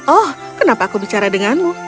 oh kenapa aku bicara denganmu